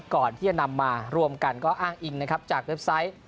ก่อนที่จะนำมารวมกันก็อ้างอิงนะครับจากเว็บไซต์